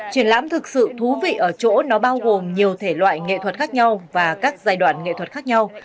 triển lãm thực sự thú vị ở chỗ nó bao gồm nhiều thể loại nghệ thuật khác nhau và các giai đoạn nghệ thuật khác nhau